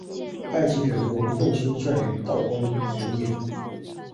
会稽人王仲舒撰于道光元年。